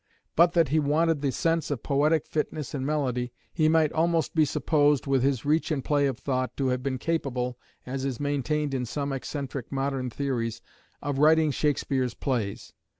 But that he wanted the sense of poetic fitness and melody, he might almost be supposed, with his reach and play of thought, to have been capable, as is maintained in some eccentric modern theories, of writing Shakespeare's plays.